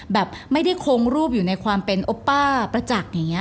แบบไม่ได้คงรูปอยู่ในความเป็นโอป้าประจักษ์อย่างนี้